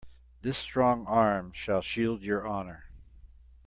This strong arm shall shield your honor.